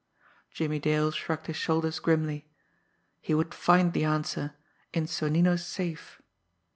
Jimmie Dale shrugged his shoulders grimly. He would find the answer in Sonnino's safe!